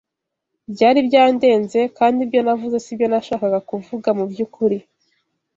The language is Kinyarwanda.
Byari byandenze, kandi ibyo navuze si byo nashakaga kuvuga mu by’ukuri